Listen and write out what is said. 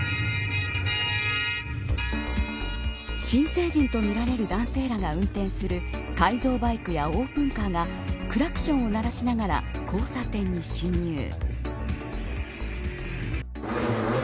新成人とみられる男性らが運転する改造バイクやオープンカーがクラクションを鳴らしながら交差点に進入。